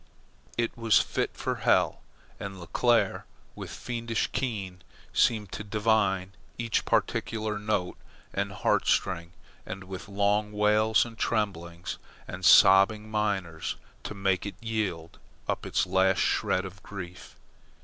It was fit for hell. And Leclere, with fiendish ken, seemed to divine each particular nerve and heartstring, and with long wails and tremblings and sobbing minors to make it yield up its last shred of grief.